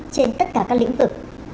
trên tất cả các lĩnh vực